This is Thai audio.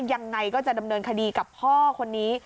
ยังไงก็จะดำเนินคดีกับพ่อคนนี้